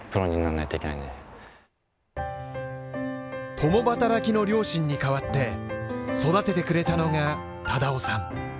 共働きの両親に代わって育ててくれたのが忠雄さん